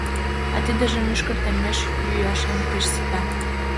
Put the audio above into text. А тидыже мӱшкыр теммеш йӱашем пеш сита.